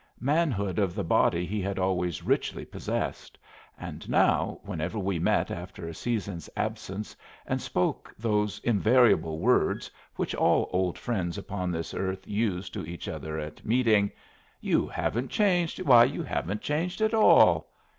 Manhood of the body he had always richly possessed; and now, whenever we met after a season's absence and spoke those invariable words which all old friends upon this earth use to each other at meeting "You haven't changed, you haven't changed at all!"